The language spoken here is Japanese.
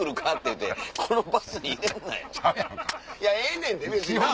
いやええねんで別にな。